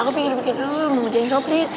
aku pikir pikir dulu mau jalan sobri